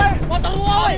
gajah gajah gajah woi